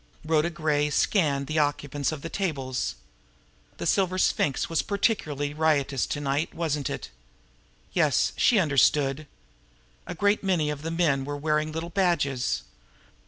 Rhoda Gray scanned the occupants of the tables. The Silver Sphinx was particularly riotous to night, wasn't it? Yes, she understood! A great many of the men were wearing little badges.